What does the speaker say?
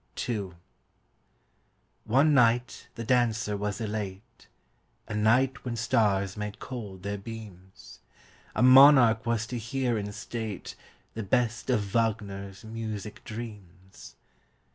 II One night the dancer was elate, A night when stars made cold their beams, 27 A monarch was to hear in state The best of Wagner's music dreams.